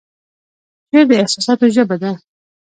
شعر د احساساتو ژبه ده